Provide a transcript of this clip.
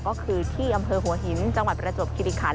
ก็คือที่อำเภอหัวหินจังหวัดประจวบคิริคัน